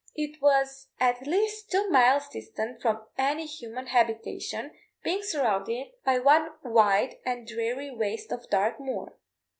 It was at least two miles distant from any human habitation, being surrounded by one wide and dreary waste of dark moor.